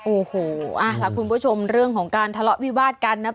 โอ้โหล่ะคุณผู้ชมเรื่องของการทะเลาะวิวาดกันนะ